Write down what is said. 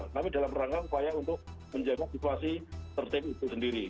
tapi dalam rangka upaya untuk menjaga situasi tertib itu sendiri